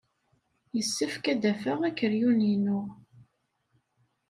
Yessefk ad d-afeɣ akeryun-inu.